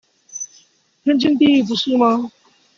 天經地義不是嗎？